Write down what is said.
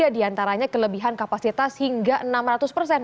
tiga diantaranya kelebihan kapasitas hingga enam ratus persen